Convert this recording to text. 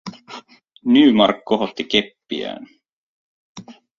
Nymark kohotti keppiään.